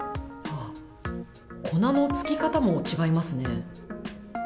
粉の付き方も違いますね。